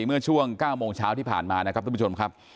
เมื่อช่วง๙โมงเช้าที่ผ่านมานะครับทุกผู้ชมครับ